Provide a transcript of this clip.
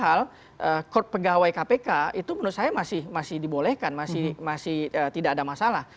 dan dalam beberapa hal pegawai kpk itu menurut saya masih dibolehkan masih tidak ada masalah